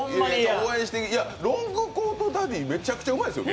いや、ロングコートダディ、めちゃくちゃうまいですよ。